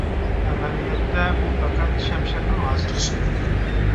ئەمەلىيەتتە، بۇ پەقەت شەمشەرنىڭ ھازىرقى شەكلى.